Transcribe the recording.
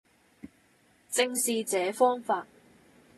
正是這方法。